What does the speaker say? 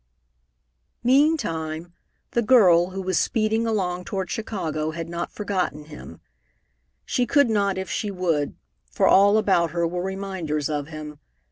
Meantime, the girl who was speeding along toward Chicago had not forgotten him. She could not if she would, for all about her were reminders of him.